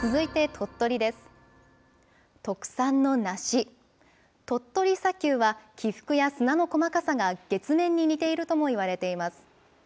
鳥取砂丘は、起伏や砂の細かさが月面に似ているともいわれています。